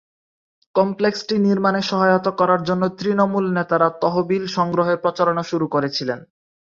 কমপ্লেক্সটি নির্মাণে সহায়তা করার জন্য তৃণমূল নেতারা তহবিল সংগ্রহের প্রচারণা শুরু করেছিলেন।